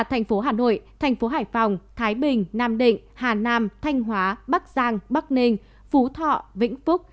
thành phố hà nội thành phố hải phòng thái bình nam định hà nam thanh hóa bắc giang bắc ninh phú thọ vĩnh phúc